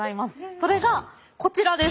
それがこちらです。